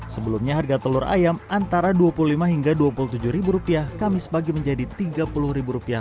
sebelumnya harga telur ayam antara dua puluh lima hingga dua puluh tujuh rupiah kami sebagai menjadi tiga puluh rupiah